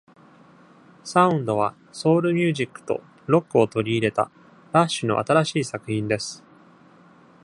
サウンドはソウル・ミュージックとロックを取り入れた、ラッシュの新しい作品です。